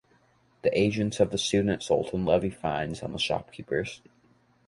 The agents of the student-sultan levy fines on the shopkeepers.